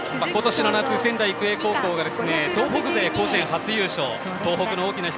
今年の夏、仙台育英高校が東北勢甲子園初優勝。